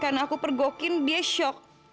karena aku pergokin dia shock